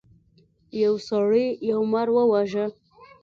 یو سړي یو مار وواژه.